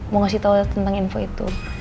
mau ngasih tau tentang info itu